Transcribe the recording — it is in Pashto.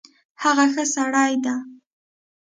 هغه ښه سړی ده